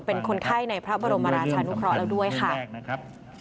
เป็นคนไข้ในพระบรมราชานุเคราะห์แล้วด้วยค่ะ